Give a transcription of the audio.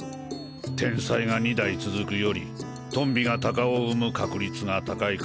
天才が二代続くよりトンビが鷹を生む確率が高いかもしれんなぁ。